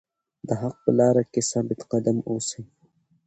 د حق په لاره کې ثابت قدم اوسئ.